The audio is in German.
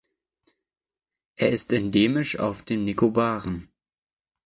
Er ist endemisch auf den Nikobaren.